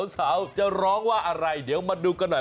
สาวจะร้องว่าอะไรเดี๋ยวมาดูกันหน่อย